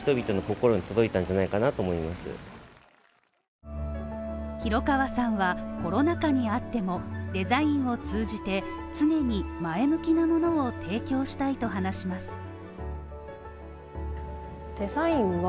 地元の人たちからは廣川さんは、コロナ禍にあってもデザインを通じて常に前向きなものを提供したいと話します。